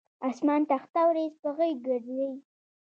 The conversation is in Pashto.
اسمان تخته اوریځ په غیږ ګرځي